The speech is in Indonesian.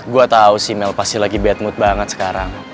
gua tau sih mel pasti lagi bad mood banget sekarang